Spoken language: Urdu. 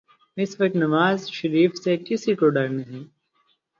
اس وقت نواز شریف سے کسی کو ڈر نہیں۔